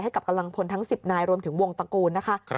กำลังพลทั้ง๑๐นายรวมถึงวงตระกูลนะคะ